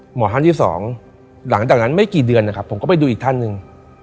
หมอท่านที่สองหลังจากนั้นไม่กี่เดือนนะครับผมก็ไปดูอีกท่านหนึ่ง